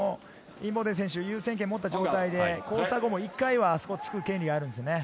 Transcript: インボーデン選手、優先権を持った状態で交差後も一回はそこを突く権利があるんですね。